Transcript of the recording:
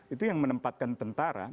itu yang menempatkan tentara